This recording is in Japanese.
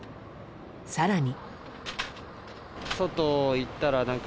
更に。